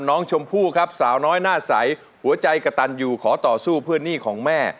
น้องชมพู่ครับสาวน้อยหน้าใสหัวใจกระตันอยู่ขอต่อสู้เพื่อหนี้ของแม่